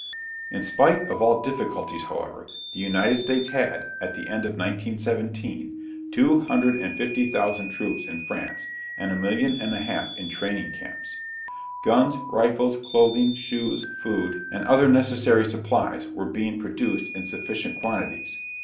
In spite of all difficulties, however, the United States had, at the end of 1917, two hundred and fifty thousand troops in France and a million and a half in training camps. Guns, rifles, clothing, shoes, food, and other necessary supplies were being produced in sufficient quantities.